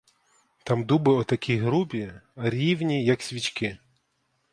Там дуби отакі грубі, а рівні, як свічки.